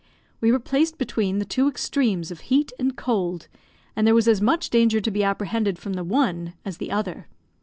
We were placed between the two extremes of heat and cold, and there was as much danger to be apprehended from the one as the other.